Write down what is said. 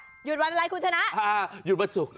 หยุดวันอะไรคุณชนะหยุดวันศุกร์